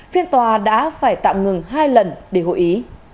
phiên tòa đã phải tạm ngừng hai lần để hội ý